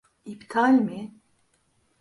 İptal mi?